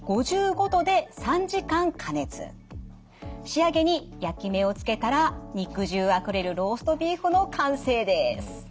仕上げに焼き目を付けたら肉汁あふれるローストビーフの完成です。